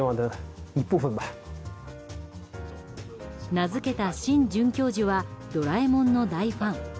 名付けたシン准教授は「ドラえもん」の大ファン。